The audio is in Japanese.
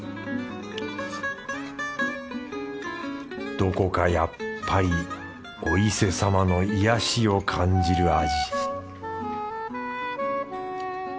どこかやっぱりお伊勢様の癒やしを感じる味